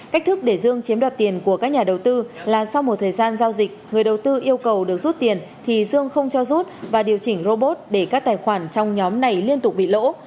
cách thức để dương chiếm đoạt tiền của các nhà đầu tư là sau một thời gian giao dịch người đầu tư yêu cầu được rút tiền thì dương không cho rút và điều chỉnh robot để các tài khoản trong nhóm này liên tục bị lỗ